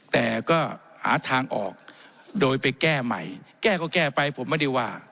แต่ก็หาทางออกโดยไปแก้ใหม่แก้ก็แก้ไปผมไม่ได้ว่า